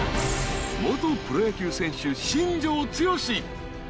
［元プロ野球選手新庄剛志］